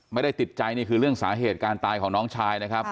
ไม่ได้ติดใจนี่คือเรื่องสาเหตุการตายของน้องชายนะครับ